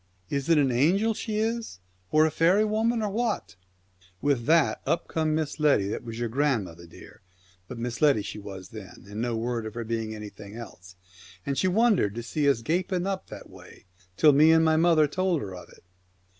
" Is it an angel she is, or a faery woman, or what ?" With that up come Miss Letty, that was your grand mother, dear, but Miss Letty she was then, and no word of her being anything else, and she wondered to see us gaping up that way, till me and my mother told her of it.